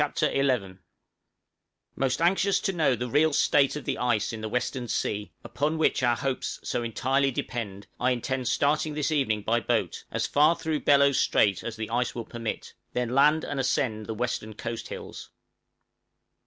} Most anxious to know the real state of the ice in the western sea upon which our hopes so entirely depend I intend starting this evening by boat, as far through Bellot Strait as the ice will permit, then land and ascend the western coast hills.